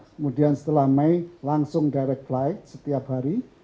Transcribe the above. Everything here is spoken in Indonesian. kemudian setelah mei langsung direct flight setiap hari